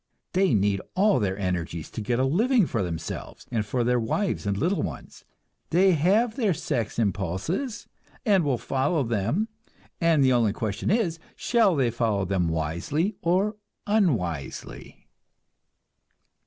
They need all their energies to get a living for themselves and for their wives and little ones. They have their sex impulses, and will follow them, and the only question is, shall they follow them wisely or unwisely?